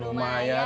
laku banyak pak